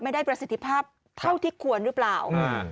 ไม่ได้ประสิทธิภาพเท่าที่ควรรึเปล่า